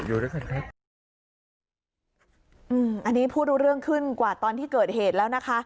อืมอันนี้พูดรู้เรื่องขึ้นกว่าตอนที่เกิดเหตุแล้วนะคะ